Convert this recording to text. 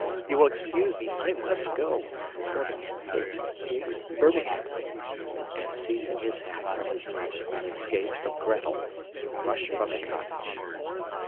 You will excuse me, I must go. Birmingham Higgs Higgs Birmingham." And seizing his hat from his mother and his skates from Gretel he rushed from the cottage.